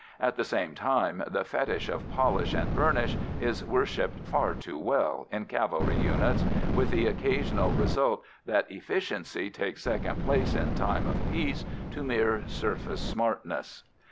At the same time, the fetish of polish and burnish is worshipped far too well in cavalry units, with the occasional result that efficiency takes second place in time of peace to mere surface smartness.